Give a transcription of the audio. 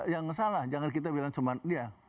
yang salah jangan kita bilang cuma dia